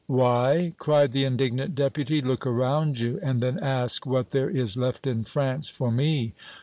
"Why?" cried the indignant Deputy. "Look around you and then ask what there is left in France for me!